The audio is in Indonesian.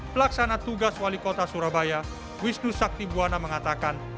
pelaksana tugas wali kota surabaya wisnu saktibwana mengatakan